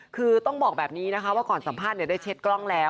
คือต้องบอกแบบนี้นะคะว่าก่อนสัมภาษณ์ได้เช็ดกล้องแล้ว